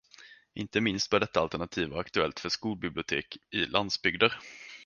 Inte minst bör detta alternativ vara aktuellt för skolbibliotek i landsbygder.